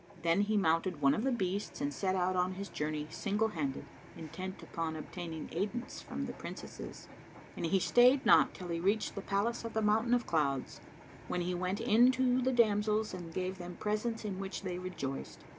Then he mounted one of the beasts and set out on his journey single handed, intent upon obtaining aidance from the Princesses, and he stayed not till he reached the Palace of the Mountain of Clouds, when he went in to the damsels and gave them the presents in which they rejoiced.